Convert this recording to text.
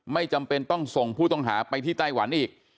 ไม่จำเป็นต้องส่งผู้ต้องหาไปที่ไต้หวันอีก